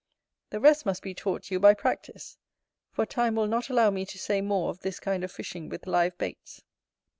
The rest must be taught you by practice; for time will not allow me to say more of this kind of fishing with live baits.